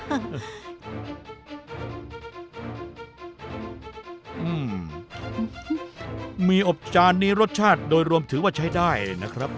อืมมีอบจานนี้รสชาติโดยรวมถือว่าใช้ได้นะครับ